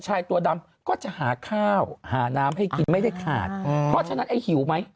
ชายตัวดำก็จะหาข้าวหาน้ำให้กินไม่ได้ขาดเพราะฉะนั้นไอ้หิวไหม